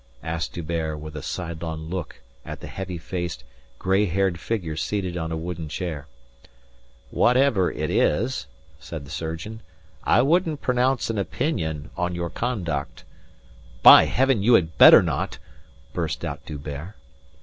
asked D'Hubert with a sidelong look at the heavy faced, gray haired figure seated on a wooden chair. "Whatever it is," said the surgeon, "I wouldn't pronounce an opinion on your conduct...." "By heavens, you had better not," burst out D'Hubert.